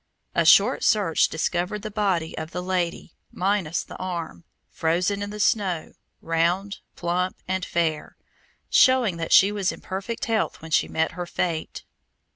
A short search discovered the body of the lady, minus the arm, frozen in the snow, round, plump, and fair, showing that she was in perfect health when she met her fate.